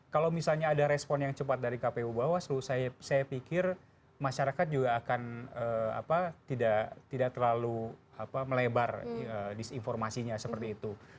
kalau misalnya ada respon yang cepat dari kpu bawaslu saya pikir masyarakat juga akan tidak terlalu melebar disinformasinya seperti itu